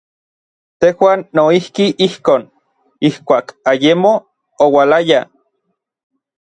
Tejuan noijki ijkon, ijkuak ayemo oualaya.